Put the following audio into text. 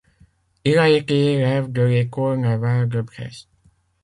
Il a été élève de l’école navale de Brest.